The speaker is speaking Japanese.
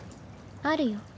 あるよ。